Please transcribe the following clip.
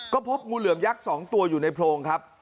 ก็พบงูเหลือมยักษ์๒ตัวอยู่ในโพรงครับ